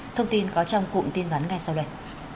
thông tin có trong cụm tin vắn ngay sau đây